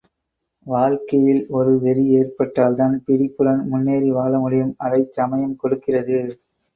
வாழ்க்கையில் ஒரு வெறி ஏற்பட்டால்தான் பிடிப்புடன் முன்னேறி வாழமுடியும் அதைச் சமயம் கொடுக்கிறது.